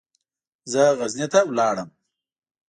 زه غزني ته ولاړم.